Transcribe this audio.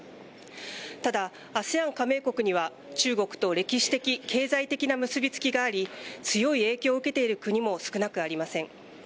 ただＡＳＥＡＮ加盟国には中国と歴史的、経済的な結びつきがあり強い影響を受けている国も少なくありません。